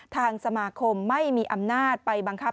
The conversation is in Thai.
ทางสมาคมไม่มีอำนาจไปบังคับ